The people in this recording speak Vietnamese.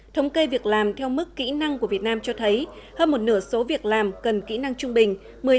thống kê việc làm theo mức kỹ năng của việt nam cho thấy hơn một nửa số việc làm cần kỹ năng trung bình